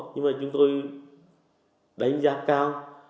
nhưng chúng tôi đánh giá cao